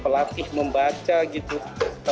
kalau memang membaca ini apa yang akan mereka lakukan